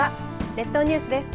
列島ニュースです。